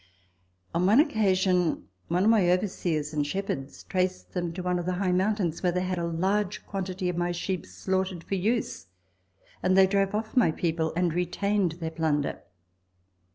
On one occasion, one of my overseers and shepherds traced them to one of the high mountains, where they had a large quantity of my sheep slaughtered for use, and they drove off my people and retained their plunder.